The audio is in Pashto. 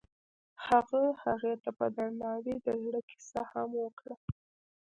هغه هغې ته په درناوي د زړه کیسه هم وکړه.